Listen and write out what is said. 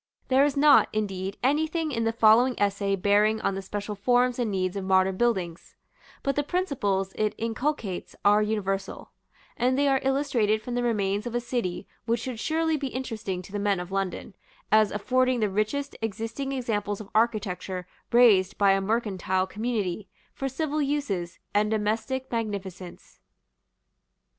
There is not, indeed, anything in the following essay bearing on the special forms and needs of modern buildings; but the principles it inculcates are universal; and they are illustrated from the remains of a city which should surely be interesting to the men of London, as affording the richest existing examples of architecture raised by a mercantile community, for civil uses, and domestic magnificence.